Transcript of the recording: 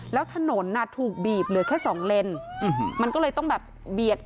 แล้วถนนถูกบีบเหลือแค่สองเลนมันก็เลยต้องแบบเบียด